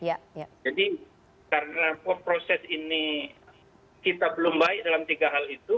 jadi karena proses ini kita belum baik dalam tiga hal itu